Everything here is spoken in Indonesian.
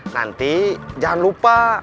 nanti jangan lupa